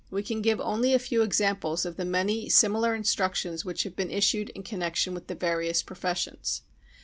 We can give only a few examples of the many similar instructions which have beei^ issued in connection with the various professions.